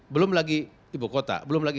belum lagi ibu kota belum lagi